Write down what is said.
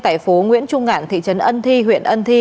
tại phố nguyễn trung ngạn thị trấn ân thi huyện ân thi